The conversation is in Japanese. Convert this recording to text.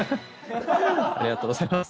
ありがとうございます。